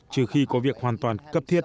trừ khi có việc hoàn toàn